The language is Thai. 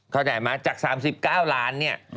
เข้าใจไหมจาก๓๙ล้านเนี่ย